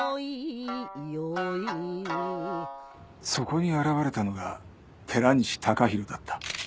そこに現れたのが寺西高広だった。